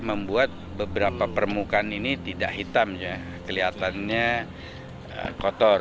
membuat beberapa permukaan ini tidak hitam ya kelihatannya kotor